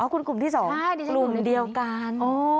คุณกลุ่มที่๒กลุ่มเดียวกัน